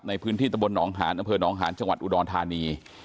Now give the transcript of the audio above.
ในพื้นที่ตะบลหนองหานอำเภอหนองหาญจังหวัดอุดรธานี